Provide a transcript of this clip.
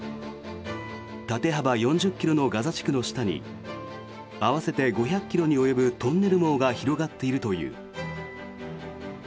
縦幅４０ｋｍのガザ地区の下に合わせて５００ｋｍに及ぶトンネル網が広がっているという。